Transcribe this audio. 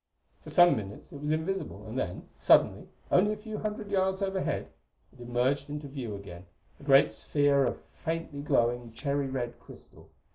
For some minutes it was invisible; and then, suddenly, only a few hundred yards overhead, it emerged into view again, a great sphere of faintly glowing, cherry red crystal.